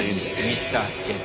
ミスター付けて。